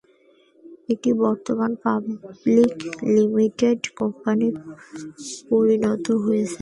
এটি বর্তমানে public limited কোম্পানিতে পরিণত হয়েছে।